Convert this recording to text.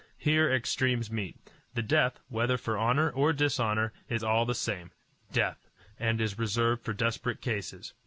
Here extremes meet; and death, whether for honor or dishonor, is all the same death and is reserved for desperate cases.